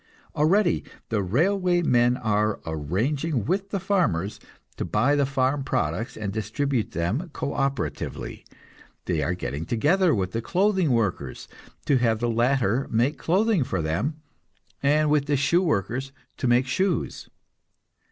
Already the railway men are arranging with the farmers, to buy the farm products and distribute them co operatively; they are getting together with the clothing workers, to have the latter make clothing for them, and with the shoe workers to make shoes.